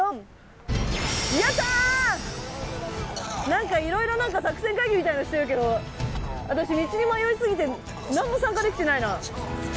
何かいろいろ作戦会議みたいなのしてるけど私道に迷い過ぎて何も参加できてないな。